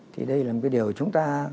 thì đây là một cái điều chúng ta